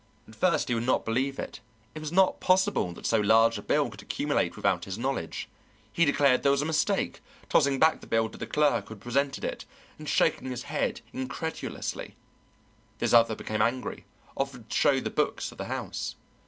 At first he would not believe it; it was not possible that so large a bill could accumulate without his knowledge. He declared there was a mistake, tossing back the bill to the clerk who had presented it, and shaking his head incredulously. This other became angry, offered to show the books of the house.